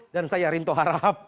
dan saya rinto harahap